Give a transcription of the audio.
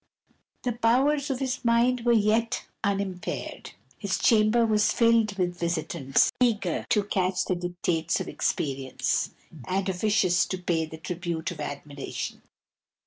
The powers of his mind were yet unimpaired. His chamber was filled with visitants, eager to catch the dictates of experience, and officious to pay the tribute of admiration.